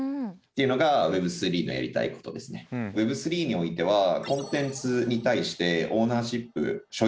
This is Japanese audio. Ｗｅｂ３においてはコンテンツに対してオーナーシップ所有権が持てる。